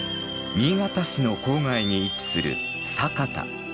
新潟市の郊外に位置する佐潟。